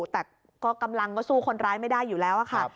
แต่ก็กำลังก็สู้คนร้ายไม่ได้อยู่แล้วค่ะ